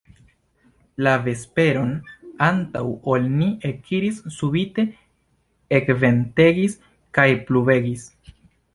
La vesperon antaŭ ol ni ekiris, subite ekventegis kaj pluvegis.